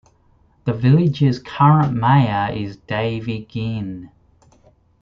The village's current mayor is Davy Ginn.